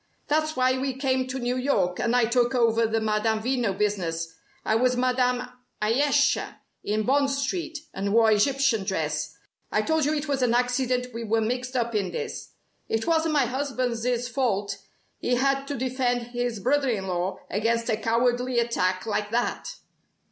That's why we came to New York, and I took over the 'Madame Veno' business. I was 'Madame Ayesha' in Bond Street, and wore Egyptian dress. I told you it was an accident we were mixed up in this. It wasn't my husband's fault. He had to defend his brother in law against a cowardly attack like that!